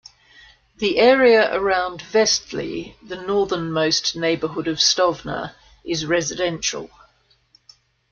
The area around Vestli, the northernmost neighborhood of Stovner, is residential.